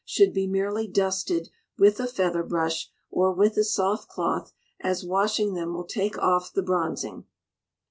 should be merely dusted with a feather brush, or with a soft cloth, as washing them will take off the bronzing.